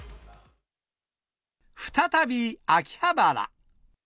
再び秋葉原。